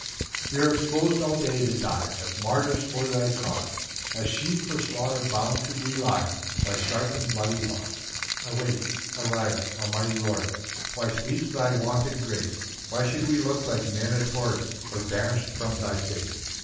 PAUSE. 7 We are expos'd all day to die As martyrs for thy cause, As sheep for slaughter bound we lie By sharp and bloody laws. 8 Awake, arise, almighty Lord, Why sleeps thy wonted grace? Why should we look like men abhorr'd, Or banish'd from thy face?